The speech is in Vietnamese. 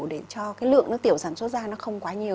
để cho cái lượng nước tiểu sản xuất ra nó không quá nhiều